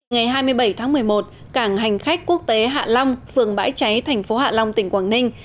ngày hai mươi bảy tháng một mươi một cảng hành khách quốc tế hạ long phường bãi cháy thành phố hạ long tỉnh quảng ninh